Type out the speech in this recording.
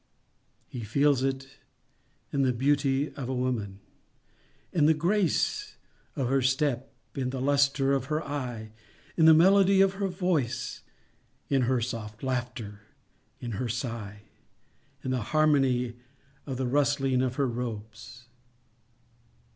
He feels it in the beauty of woman—in the grace of her step—in the lustre of her eye—in the melody of her voice—in her soft laughter, in her sigh—in the harmony of the rustling of her robes.